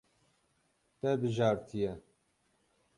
Te bijartiye.